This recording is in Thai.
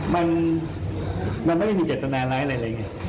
มันไม่มีเจ็บตนาร้ายอะไรอย่างนี้